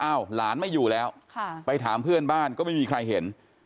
หลานไม่อยู่แล้วไปถามเพื่อนบ้านก็ไม่มีใครเห็น